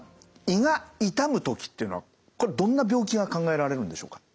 胃が痛む時っていうのはこれどんな病気が考えられるんでしょうか。